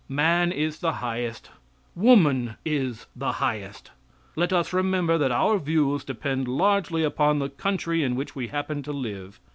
Man is the highest; woman is the highest. Let us remember that our views depend largely upon the country in which we happen to live.